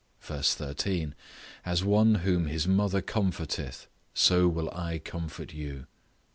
Ver. 13, "As one whom his mother comforteth, so will I comfort you."